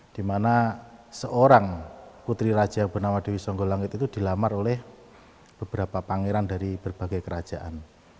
dimana seorang putri raja bernama dewi songgolangit itu dilamar oleh beberapa pangeran dari berbagai kerajaan